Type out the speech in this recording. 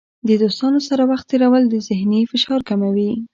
د دوستانو سره وخت تیرول د ذهني فشار کموي.